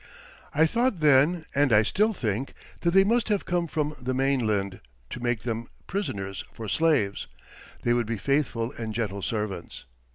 I thought then and I still think that they must have come from the mainland to make them prisoners for slaves; they would be faithful and gentle servants.